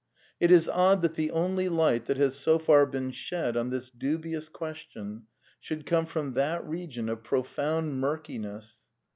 It is odd that the only light that has so far been shed on this dubious question should come from that region of profound murkiness.